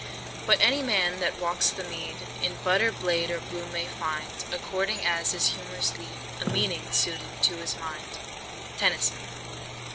"But any man that walks the mead, In bud or blade, or bloom, may find, According as his humours lead, A meaning suited to his mind." TENNYSON.